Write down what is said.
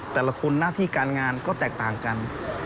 แต่ละคนหน้าที่การงานก็แตกต่างกัน